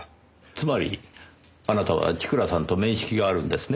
つまりあなたは千倉さんと面識があるんですね？